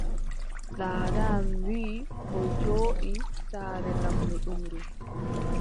Daada am wii o jooɗi saare lamɗo Dumru,